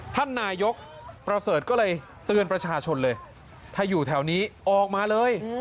ท่านนายกประเสริฐก็เลยเตือนประชาชนเลยถ้าอยู่แถวนี้ออกมาเลย